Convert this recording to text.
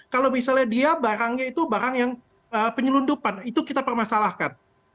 kalau misalnya dia barangnya itu barang yang penyelundupan itu kita permasalahkan